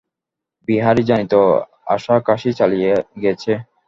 বিহারী জানিত, আশা কাশী চলিয়া গেছে।